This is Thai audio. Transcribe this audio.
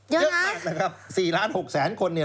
เยอะมากนะครับ